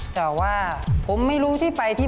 แต่ว่าผมไม่รู้ที่ไปที่